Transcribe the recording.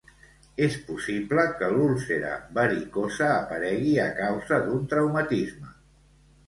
És possible que l'úlcera varicosa aparegui a causa d'un traumatisme.